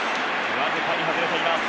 わずかに外れています。